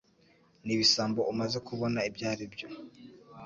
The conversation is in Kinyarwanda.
Nibisambo umaze kubona ibyaribyo.